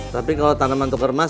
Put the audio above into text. tapi kalau taneman untuk remas